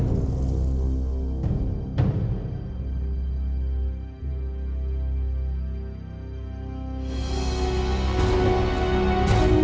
ที่สุดท้ายที่สุดท้าย